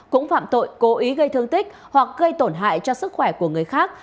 cũng phạm tội cố ý gây thương tích hoặc gây tổn hại cho sức khỏe của người khác